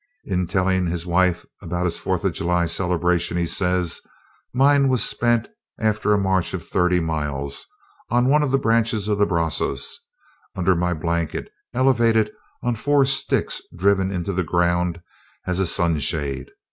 In telling his wife about his Fourth of July celebration, he says: "Mine was spent after a march of thirty miles, on one of the branches of the Brazos, under my blanket, elevated on four sticks driven in the ground, as a sunshade.